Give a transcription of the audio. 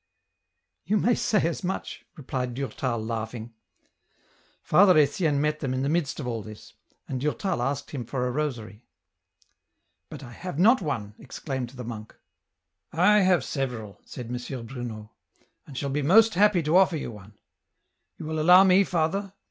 " You may say as much," replied Durtal, laughing. Father Etienne met them in the midst of all this, and Durtal asked him for a rosary. '* But I have not one," exclaimed the monk. " I have several," said M. Bruno, " and shall be most happy to offer you one. You will allow me, father